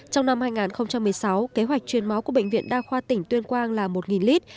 trong năm hai nghìn một mươi sáu kế hoạch chuyên máu của bệnh viện đa khoa tỉnh tuyên quang là một lít